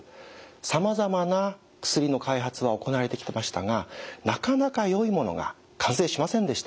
さまざまな薬の開発は行われてきましたがなかなかよいものが完成しませんでした。